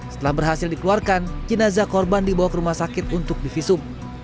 setelah berhasil dikeluarkan jenazah korban dibawa ke rumah sakit untuk divisum